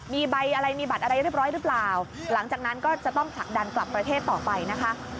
มีใบอะไรมีบัตรอะไรเรียบร้อยหรือเปล่าหลังจากนั้นก็จะต้องผลักดันกลับประเทศต่อไปนะคะ